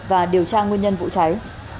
và điều tra nguyên nhân vụ cháy